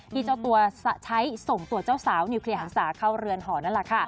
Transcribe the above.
เจ้าตัวใช้ส่งตัวเจ้าสาวนิวเคลียร์หันศาเข้าเรือนหอนั่นแหละค่ะ